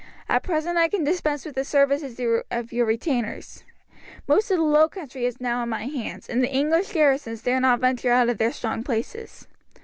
At present I can dispense with the services of your retainers. Most of the low country is now in my hands, and the English garrisons dare not venture out of their strong places.